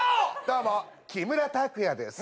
どうも木村拓哉です。